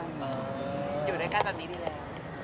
อยู่ด้วยก้านแบบนี้นิดหนึ่ง